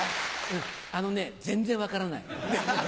うんあのね全然分からない。